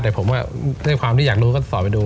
แต่ผมก็ด้วยความที่อยากรู้ก็สอบไปดู